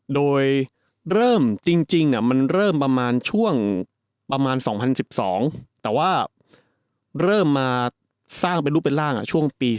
โดยเริ่มจริงมันเริ่มประมาณช่วงประมาณ๒๐๑๒แต่ว่าเริ่มมาสร้างเป็นรูปเป็นร่างช่วงปี๒๕